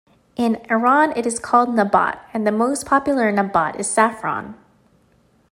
In Iran it is called nabat, and the most popular nabat is saffron.